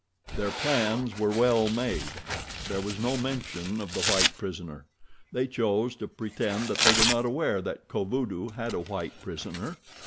Their plans were well made. There was no mention of the white prisoner—they chose to pretend that they were not aware that Kovudoo had a white prisoner.